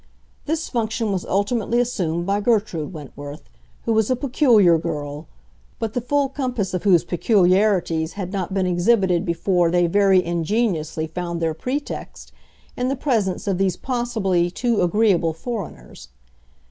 This function was ultimately assumed by Gertrude Wentworth, who was a peculiar girl, but the full compass of whose peculiarities had not been exhibited before they very ingeniously found their pretext in the presence of these possibly too agreeable foreigners.